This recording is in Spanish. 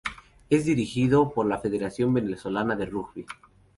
Es dirigido por la Federación Venezolana de Rugby.